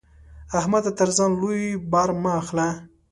احمده! تر ځان لوی بار مه اخله.